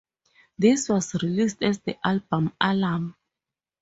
This was released as the album "Alarm".